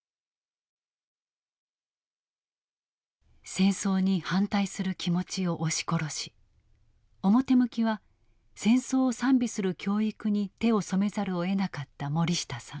戦争に反対する気持ちを押し殺し表向きは戦争を賛美する教育に手を染めざるをえなかった森下さん。